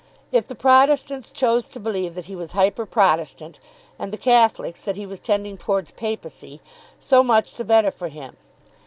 If the Protestants chose to believe that he was hyper protestant, and the Catholics that he was tending towards papacy, so much the better for him.